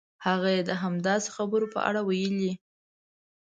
هغه یې د همداسې خبرو په اړه ویلي.